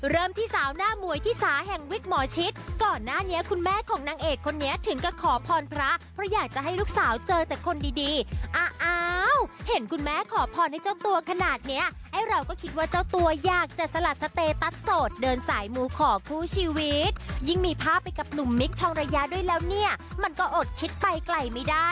เริ่มที่สาวหน้ามวยที่สาแห่งวิกหมอชิดก่อนหน้านี้คุณแม่ของนางเอกคนนี้ถึงก็ขอพรพระเพราะอยากจะให้ลูกสาวเจอแต่คนดีดีอ้าวเห็นคุณแม่ขอพรให้เจ้าตัวขนาดเนี้ยไอ้เราก็คิดว่าเจ้าตัวอยากจะสลัดสเตตัสโสดเดินสายมูขอคู่ชีวิตยิ่งมีภาพไปกับหนุ่มมิคทองระยะด้วยแล้วเนี่ยมันก็อดคิดไปไกลไม่ได้